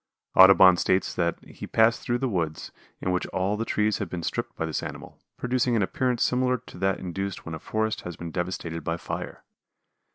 Audubon states that he passed through woods, in which all the trees had been stripped by this animal, producing an appearance similar to that induced when a forest has been devastated by fire.